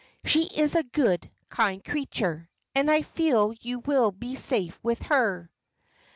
She is a good, kind creature, and I feel you will be safe with her.